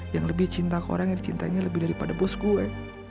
yang lebih cinta ke orang yang dicintainya lebih daripada bos gue